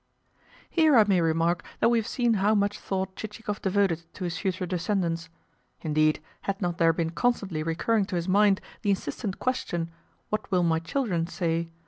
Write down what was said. '" Here I may remark that we have seen how much thought Chichikov devoted to his future descendants. Indeed, had not there been constantly recurring to his mind the insistent question, "What will my children say?"